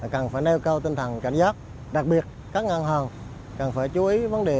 cần phải nêu cao tinh thần cảnh giác đặc biệt các ngân hàng cần phải chú ý vấn đề